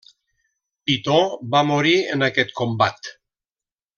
Pitó va morir en aquest combat.